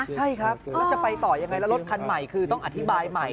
ใช่ครับแล้วจะไปต่อยังไงแล้วรถคันใหม่คือต้องอธิบายใหม่